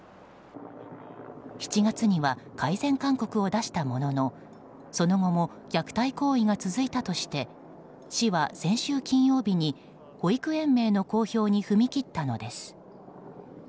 ７月には改善勧告を出したもののその後も虐待行為が続いたとして市は先週金曜日に保育園名の公表に踏み切ったのです。